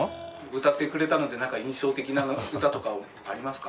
歌ってくれたのでなんか印象的な歌とかありますか？